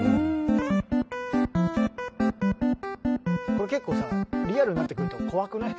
これ結構さリアルになってくると怖くない？